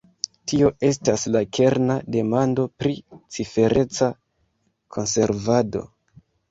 Tio estas la kerna demando pri cifereca konservado.